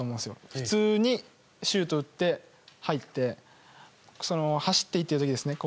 普通にシュートを打って、入って走っていっている時ですね。